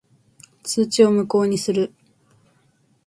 通知を無効にする。